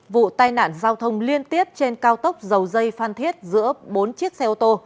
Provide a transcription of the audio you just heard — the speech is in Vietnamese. vụ tai nạn giao thông liên tiếp trên cao tốc dầu dây phan thiết giữa bốn chiếc xe ô tô